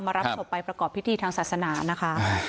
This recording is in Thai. รับศพไปประกอบพิธีทางศาสนานะคะ